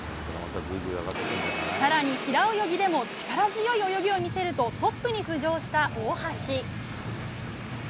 更に、平泳ぎでも力強い泳ぎを見せるとトップに浮上した大橋。